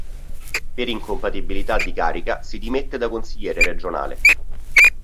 Per incompatibilità di carica si dimette da Consigliere Regionale.